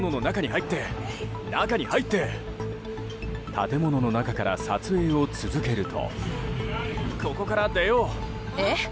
建物の中から撮影を続けると。